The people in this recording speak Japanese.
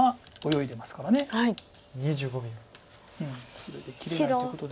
これで切れないということで。